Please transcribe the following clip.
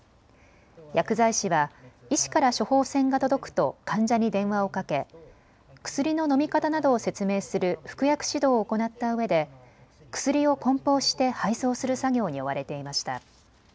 薬剤師は医師から処方箋が届くと患者に電話をかけ薬の飲み方などを説明する服薬指導を行ったうえで薬をこん包して配送する作業に追われていました。